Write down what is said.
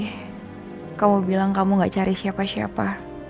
sedih sih kamu bilang kamu gak cari siapa siapa